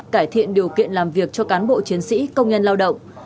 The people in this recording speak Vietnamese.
cải thiện điều kiện làm việc cho cán bộ chiến sĩ công nhân lao động